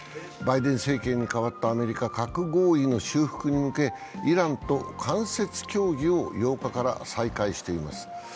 バイデン政権に変わったアメリカ、核合意の修復に向けイランと間接協議を８日から再開しています。